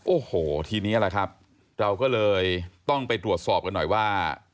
โอ้โหทีนี้แหละครับเราก็เลยต้องไปตรวจสอบกันหน่อยว่า